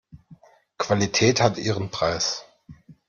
Qualität hat ihren Preis.